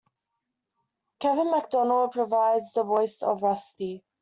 Kevin McDonald provides the voice of Rusty.